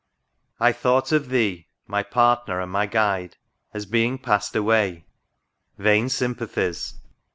I THOUGHT of Thee, my partner and my guide, As being past away. — Vain sympathies